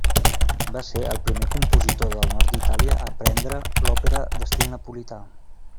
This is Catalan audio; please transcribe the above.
Va ser el primer compositor del nord d'Itàlia a aprendre l'òpera d'estil napolità.